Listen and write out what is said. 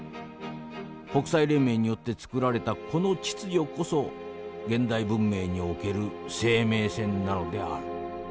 国際連盟によって作られたこの秩序こそ現代文明における生命線なのである」。